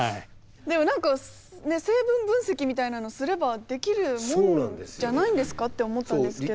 でも何か成分分析みたいなのすればできるもんじゃないんですかって思ったんですけど。